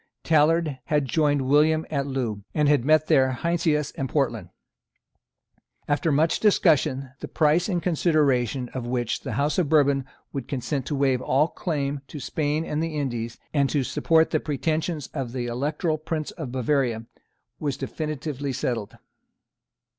Tallard had joined William at Loo, and had there met Heinsius and Portland. After much discussion, the price in consideration of which the House of Bourbon would consent to waive all claim to Spain and the Indies, and to support the pretensions of the Electoral Prince of Bavaria, was definitively settled.